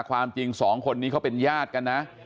ความจริงสองคนนี้เขาเป็นญาติกันนะ